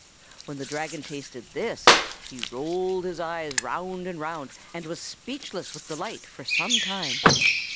"When the Dragon tasted this, he rolled his eyes round and round, and was speechless with delight for some time.